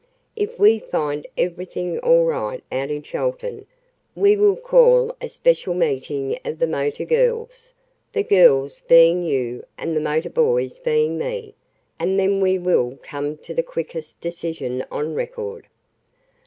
If we find everything all right out in Chelton we will call a special meeting of the motor girls, the girls being you, and the motor boys being me, and then we will come to the quickest decision on record."